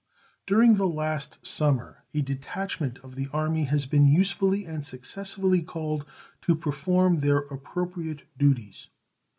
During the last summer a detachment of the Army has been usefully and successfully called to perform their appropriate duties.